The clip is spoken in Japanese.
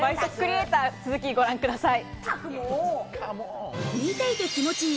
倍速クリエイター、続きをご覧ください。